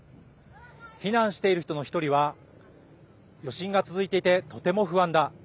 避難している人の１人は余震が続いていてとても不安だ。